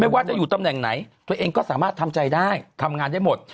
ว่าจะอยู่ตำแหน่งไหนตัวเองก็สามารถทำใจได้ทำงานได้หมด